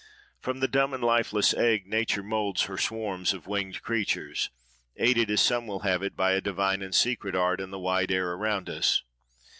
From the dumb and lifeless egg Nature moulds her swarms of winged creatures, aided, as some will have it, by a divine and secret art in the wide air around us.